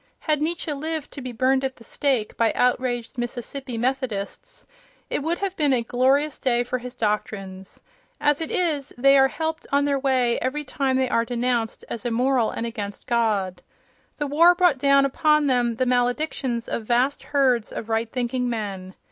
Had Nietzsche lived to be burned at the stake by outraged Mississippi Methodists, it would have been a glorious day for his doctrines. As it is, they are helped on their way every time they are denounced as immoral and against God. The war brought down upon them the maledictions of vast herds of right thinking men.